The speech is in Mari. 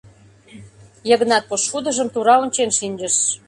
Йыгнат пошкудыжым тура ончен шинчыш.